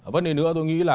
vấn đề nữa tôi nghĩ là